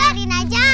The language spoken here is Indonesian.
udah rina aja